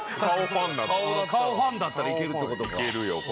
顔ファンだったらイケるってことか。